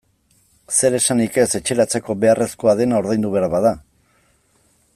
Zer esanik ez etxeratzeko beharrezkoa dena ordaindu behar bada.